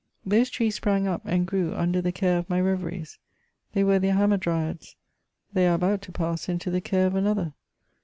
Those trees sprang up, and grew under the care of my reveries. They were their Hamadryads. Thf y are about to pass into the care of another.